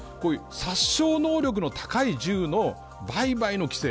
殺傷能力の高い銃の売買の規制。